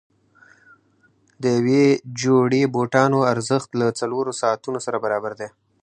د یوې جوړې بوټانو ارزښت له څلورو ساعتونو سره برابر دی.